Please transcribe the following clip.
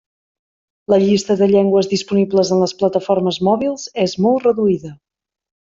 La llista de llengües disponibles en les plataformes mòbils és molt reduïda.